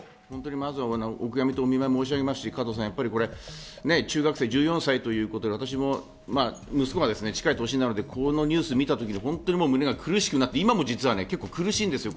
まず、お悔やみとお見舞いを申し上げますし、中学生・１４歳ということで、私も息子が近い年なので、このニュースを見たときに本当に胸が苦しくなって今も実は苦しいです。